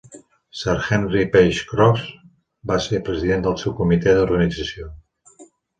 Sir Henry Page Croft va ser president del seu comitè d'organització.